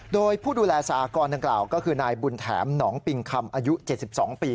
โดยผู้ดูแลสหกรดังกล่าวก็คือนายบุญแถมหนองปิงคำอายุ๗๒ปี